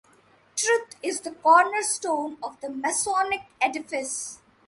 Truth is the Corner Stone of the Masonic edifice.